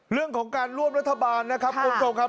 เรื่องของการร่วมรัฐบาลนะครับคุณผู้ชมครับ